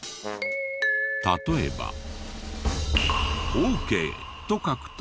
例えば「ＯＫ」と書くと。